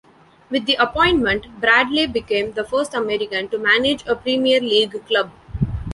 With the appointment, Bradley became the first American to manage a Premier League club.